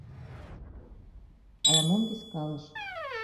Ала-мом вискалыш.